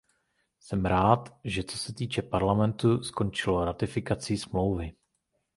Jsem rád, že co se týče parlamentu, skončilo ratifikací smlouvy.